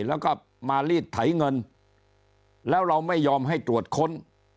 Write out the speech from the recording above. แล้วก็มารีดไถเงินแล้วเราไม่ยอมให้ตรวจค้น